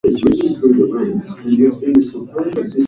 今日は何を作ろうかな？